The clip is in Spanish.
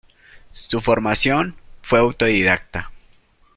Su formación fue autodidacta.